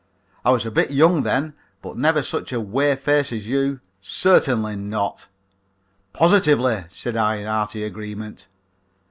"I was a bit young then, but never such a whey face as you, certainly not." "Positively," said I, in hearty agreement.